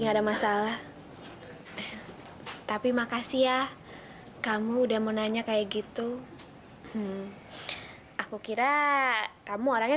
enggak ada masalah tapi makasih ya kamu udah mau nanya kayak gitu aku kira kamu orangnya